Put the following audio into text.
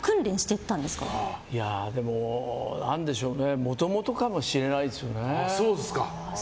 それとももともとかもしれないですよね。